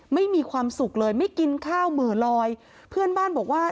ไม่มีความสุขเลยไม่กินข้าวเหม่อลอยเพื่อนบ้านบอกว่า